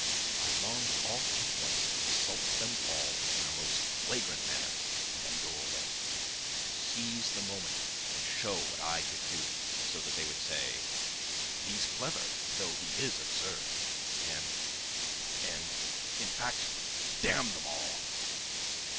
I longed all at once to insult them all in a most flagrant manner and then go away. To seize the moment and show what I could do, so that they would say, "He's clever, though he is absurd," and ... and ... in fact, damn them all!